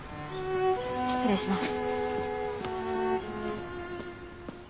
失礼します。